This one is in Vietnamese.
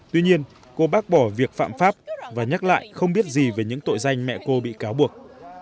tuy nhiên cô bác bỏ việc phạm pháp và nhắc lại không biết gì về những tội danh mẹ cô bị cáo buộc